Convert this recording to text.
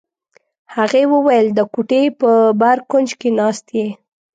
هغې وویل: د کوټې په بر کونج کې ناست یې.